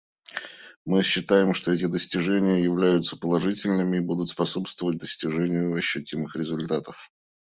Мы считаем, что эти достижения являются положительными и будут способствовать достижению ощутимых результатов.